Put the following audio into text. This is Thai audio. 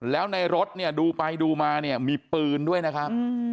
แล้วในรถดูไปดูมามีปืนด้วยนะครับ